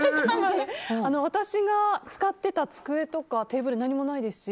私が使っていた机とかテーブル何もないですし